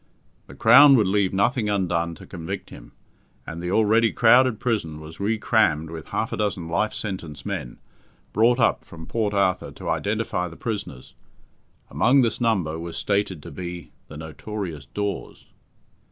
The Crown would leave nothing undone to convict him, and the already crowded prison was re crammed with half a dozen life sentence men, brought up from Port Arthur to identify the prisoners. Amongst this number was stated to be "the notorious Dawes".